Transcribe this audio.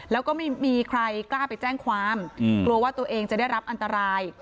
แล้วก็ไม่มีใครกล้าไปแจ้งความกลัวว่าตัวเองจะได้รับอันตราย